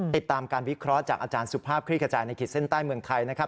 ติดตามการวิเคราะห์จากอาจารย์สุภาพคลี่ขจายในขีดเส้นใต้เมืองไทยนะครับ